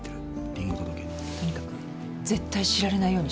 とにかく絶対知られないようにしてよ。